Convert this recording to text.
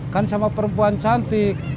kan sama perempuan cantik